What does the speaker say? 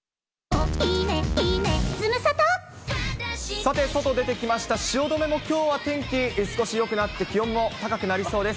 さて、外出てきました、汐留もきょうは天気、少しよくなって、気温も高くなりそうです。